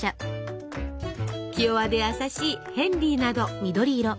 気弱で優しい「ヘンリー」など。